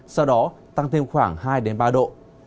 sau đó tăng thêm khoảng hai ba độ